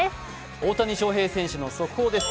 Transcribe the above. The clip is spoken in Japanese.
大谷翔平選手の速報です。